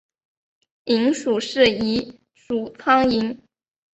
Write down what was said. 蝇属是一属苍蝇。